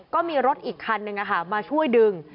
ก็มีรถอีกคันนึงมาช่วยดึง